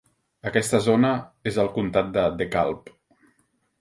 Aquesta zona és al comtat de DeKalb.